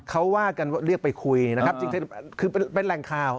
เขาว่ากันว่าเรียกไปคุยนะครับจริงคือเป็นแหล่งข่าว